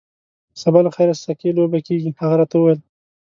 سبا له خیره سکی لوبې کیږي. هغه راته وویل.